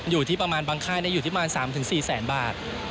อยู่ที่ประมาณบางค่ายอยู่ที่ประมาณ๓๔แสนบาท